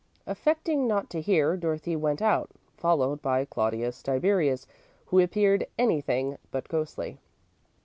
Affecting not to hear, Dorothy went out, followed by Claudius Tiberius, who appeared anything but ghostly.